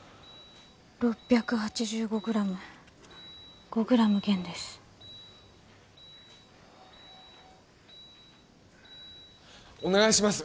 ６８５グラム５グラム減ですお願いします